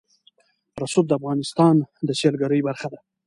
رسوب د افغانستان د سیلګرۍ برخه ده.